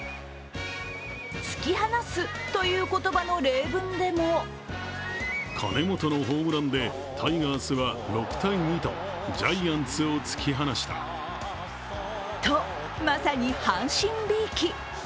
「突き放す」という言葉の例文でもとまさに阪神びいき。